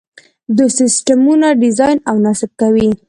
دوی سیسټمونه ډیزاین او نصب کوي.